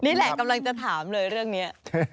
นี่แหละกำลังจะถามเลยเรื่องนี้